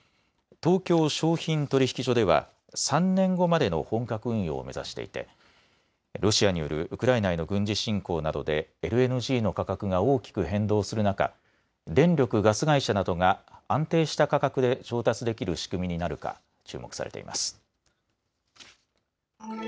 東京商品取引所では３年後までの本格運用を目指していてロシアによるウクライナへの軍事侵攻などでＬＮＧの価格が大きく変動する中、電力・ガス会社などが安定した価格で調達できる仕組みになるか注目されています。